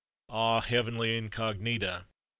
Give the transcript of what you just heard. Ah, Heavenly incognita!